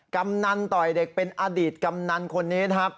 กำนันต่อยเด็กเป็นอดีตกำนันคนนี้นะครับ